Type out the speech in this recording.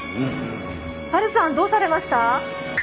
ハルさんどうされました？